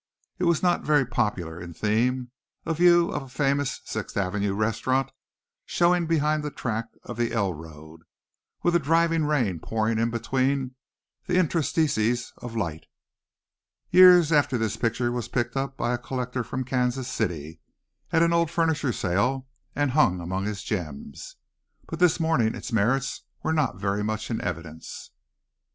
It was not very popular in theme, a view of a famous Sixth Avenue restaurant showing behind the track of the L road, with a driving rain pouring in between the interstices of light. Years after this picture was picked up by a collector from Kansas City at an old furniture sale and hung among his gems, but this morning its merits were not very much in evidence.